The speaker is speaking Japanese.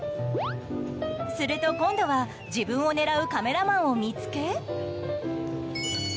すると今度は自分を狙うカメラマンを見つけ。